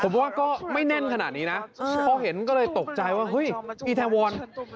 ผมว่าก็ไม่แน่นขนาดนี้นะพอเห็นก็เลยตกใจว่าเฮ้ยอีแทวอน